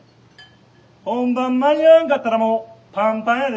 本番間に合わんかったらもうパンパンやで」。